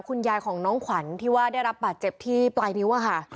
คุณยายของน้องขวัญที่ว่าได้รับบาดเจ็บที่ปลายนิ้วอะค่ะ